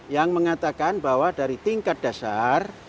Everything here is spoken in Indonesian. yang mengatakan bahwa dari tingkat dasar